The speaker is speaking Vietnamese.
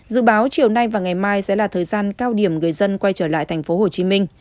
dự báo chiều nay và ngày mai sẽ là thời gian cao điểm người dân quay trở lại tp hcm